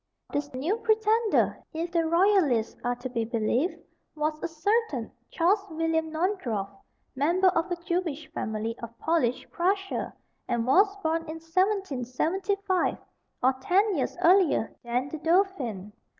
This new pretender, if the royalists are to be believed, was a certain Charles William Naundorff, member of a Jewish family of Polish Prussia, and was born in 1775, or ten years earlier than the dauphin.